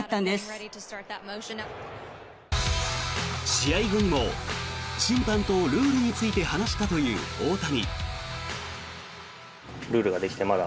試合後にも審判とルールについて話したという大谷。